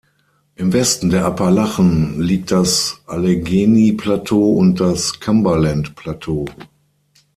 Im Westen der Appalachen liegen das Allegheny-Plateau und das Cumberland-Plateau.